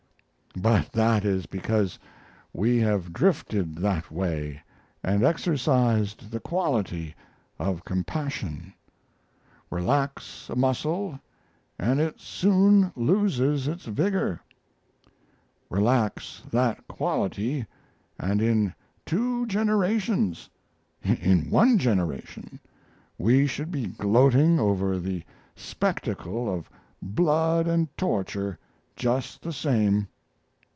but that is because we have drifted that way and exercised the quality of compassion. Relax a muscle and it soon loses its vigor; relax that quality and in two generations in one generation we should be gloating over the spectacle of blood and torture just the same.